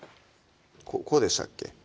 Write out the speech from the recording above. こうでしたっけ？